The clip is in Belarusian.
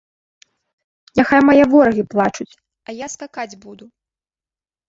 Няхай мае ворагі плачуць, а я скакаць буду.